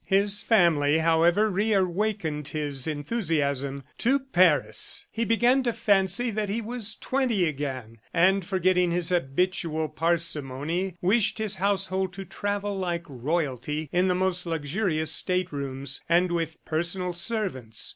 His family, however, reawakened his enthusiasm. "To Paris!" ... He began to fancy that he was twenty again, and forgetting his habitual parsimony, wished his household to travel like royalty, in the most luxurious staterooms, and with personal servants.